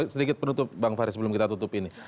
sedikit penutup bang fahri sebelum kita tutup ini